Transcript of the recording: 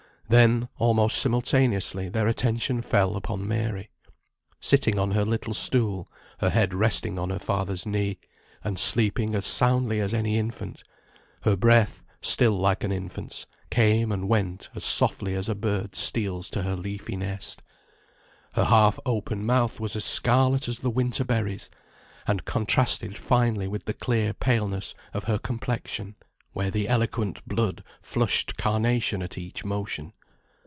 Then, almost simultaneously, their attention fell upon Mary. Sitting on her little stool, her head resting on her father's knee, and sleeping as soundly as any infant, her breath (still like an infant's) came and went as softly as a bird steals to her leafy nest. Her half open mouth was as scarlet as the winter berries, and contrasted finely with the clear paleness of her complexion, where the eloquent blood flushed carnation at each motion.